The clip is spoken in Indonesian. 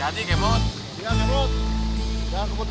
udah pulang ke jakarta mbah